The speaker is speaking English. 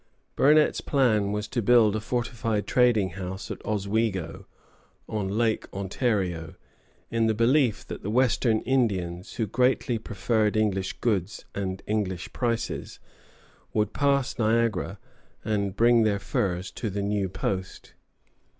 Burnet's plan was to build a fortified trading house at Oswego, on Lake Ontario, in the belief that the Western Indians, who greatly preferred English goods and English prices, would pass Niagara and bring their furs to the new post.